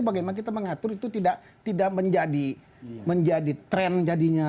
bagaimana kita mengatur itu tidak menjadi tren jadinya